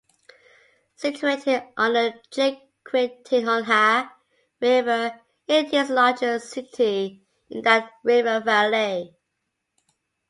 Situated on the Jequitinhonha River it is the largest city in that river valley.